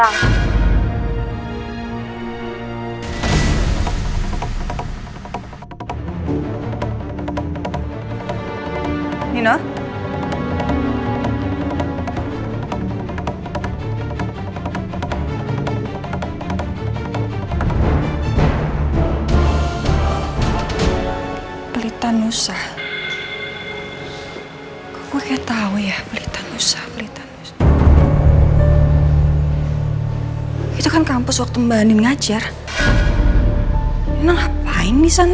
aku harus mencari andin